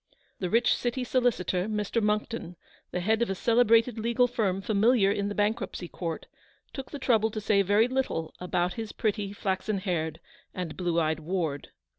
The rich City solicitor, Mr. Monckton, the head of a celebrated legal firm familiar in the Bank ruptcy Court, took the trouble to say very little about his pretty, flaxen haired, and blue eyed ward.